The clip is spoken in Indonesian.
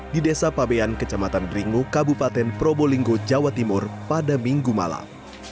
di desa pabean kecamatan dringu kabupaten probolinggo jawa timur pada minggu malam